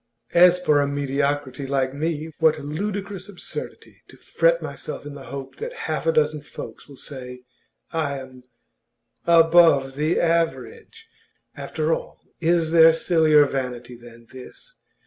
As for a mediocrity like me what ludicrous absurdity to fret myself in the hope that half a dozen folks will say I am "above the average!" After all, is there sillier vanity than this?